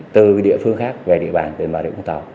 từ địa phương khác về địa bàn về mặt địa phương tàu